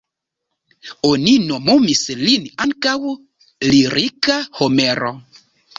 Oni nomumis lin ankaŭ "lirika Homero".